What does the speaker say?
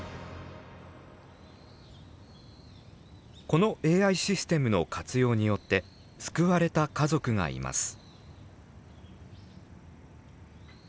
このＡＩシステムの活用によって救われた家族がいます。